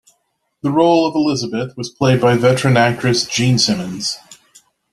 The role of Elizabeth was played by veteran actress Jean Simmons.